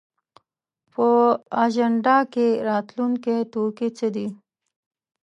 په اجنډا کې راتلونکی توکي څه دي؟